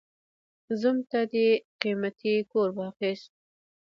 زوم ته دې قيمتي کور واخيست.